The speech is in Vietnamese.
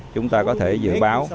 chúng ta có thể dự báo